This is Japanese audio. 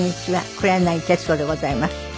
黒柳徹子でございます。